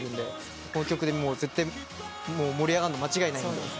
この曲で絶対盛り上がるの間違いないんで。